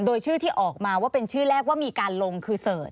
โดยชื่อที่ออกมาว่าเป็นชื่อแรกว่ามีการลงคือเสิร์ช